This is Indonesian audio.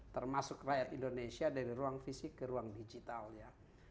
termasuk rakyat indonesia dari ruang fisik ke ruang digital ya